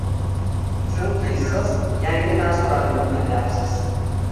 Chunki siz yangi narsalarni o’rganayapsiz